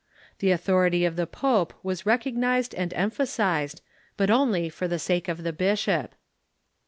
The authority of the pope was recognized and emphasized, but only for the sake of the bishop.